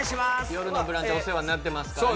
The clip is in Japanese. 「よるのブランチ」でお世話になってますからね